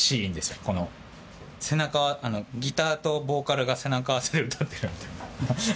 この背中ギターとボーカルが背中合わせで歌ってるみたいな。